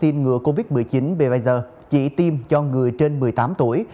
ngựa covid một mươi chín pfizer chỉ tiêm cho người trên một mươi tám tuổi